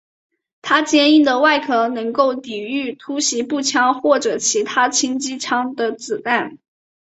他坚固的外壳能抵御突袭步枪或者其他轻机枪的子弹。